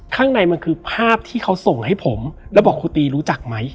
ข้างในมันคือภาพที่เขาส่งให้ผมแล้วบอกครูตีรู้จักไหม